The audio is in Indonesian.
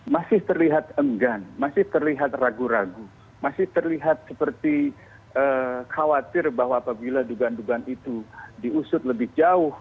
masih terlihat enggan masih terlihat ragu ragu masih terlihat seperti khawatir bahwa apabila dugaan dugaan itu diusut lebih jauh